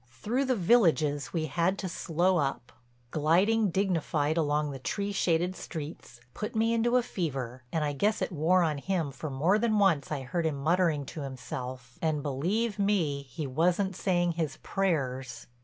Through the villages we had to slow up. Gliding dignified along the tree shaded streets put me into a fever and I guess it wore on him for more than once I heard him muttering to himself, and believe me, he wasn't saying his prayers.